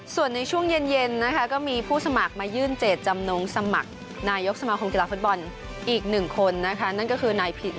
ส่วนในช่วงเย็นนะคะก็มีผู้สมัครมายื่นเจตจำนงสมัครนายกสมาคมกีฬาฟุตบอลอีก๑คนนะคะนั่นก็คือนายพิน